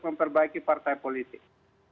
memperbaiki partai politik